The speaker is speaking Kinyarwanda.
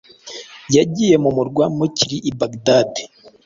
yagiye mu murwa mukuri i Baghdad